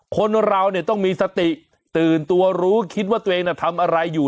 คนเราเนี่ยต้องมีสติตื่นตัวรู้คิดว่าตัวเองทำอะไรอยู่